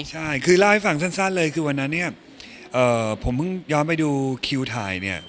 ใช่คือเล่าให้ฟังสั้นเลยคือวันนั้นเนี่ยผมเพิ่งย้อนไปดูคิวถ่ายเนี่ย